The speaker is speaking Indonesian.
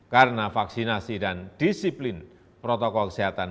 karena vaksinasi dan disiplin protokol kesehatan